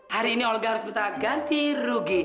hari ini olga harus bertahap ganti rugi